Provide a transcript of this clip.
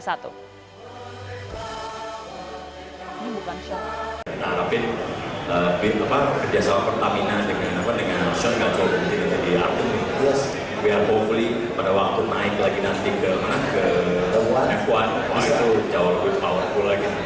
biar hopefully pada waktu naik lagi nanti ke f satu jauh lebih powerful lagi